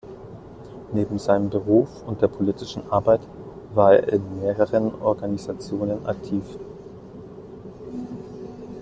Neben seinem Beruf und der politischen Arbeit war er in mehreren Organisationen aktiv.